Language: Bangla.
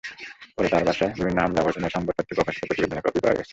পরে তাঁর বাসায় বিভিন্ন হামলার ঘটনায় সংবাদপত্রে প্রকাশিত প্রতিবেদনের কপি পাওয়া গেছে।